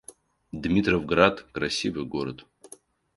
Димитровград — красивый город